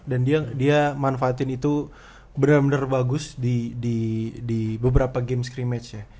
dan dia manfaatin itu bener bener bagus di beberapa game scrimmage ya